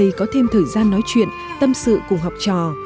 các em có thêm thời gian nói chuyện tâm sự cùng học trò